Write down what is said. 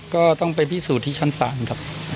ก็ต้องไปพิสูจน์ที่ชั้นศาลครับ